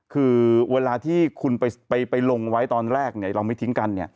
คือเวลาที่คุณไปลงไว้ตอนแรกเราไม่ทิ้งกัน